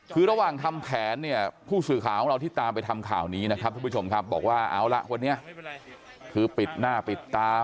คือระหว่างทำแผนเนี่ยผู้สื่อข่าวของเราที่ตามไปทำข่าวนี้นะครับทุกผู้ชมครับบอกว่าเอาละวันนี้คือปิดหน้าปิดตา